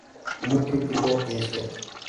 Muy críptico y discreto.